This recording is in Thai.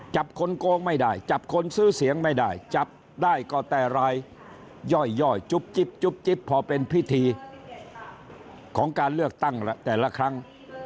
จับคนโกงไม่ได้จับคนซื้อเสียงไม่ได้จับได้ก็แต่รายย่อยจุ๊บจิ๊บพอเป็นพิธีของการเลือกตั้งแต่ละครั้ง